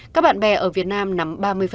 các bạn bè ở việt nam nắm ba mươi